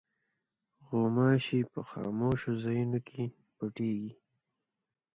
غوماشې په خاموشو ځایونو کې پټېږي.